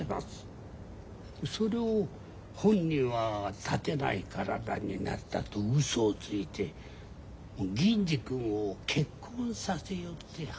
それを本人は立てない体になったとうそをついて銀次君を結婚させようって腹なんです。